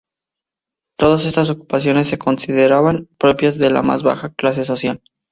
Todas estas ocupaciones se consideraban propias de la más baja clase social.